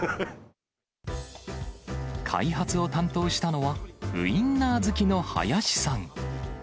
開発を担当したのはウインナー好きの林さん。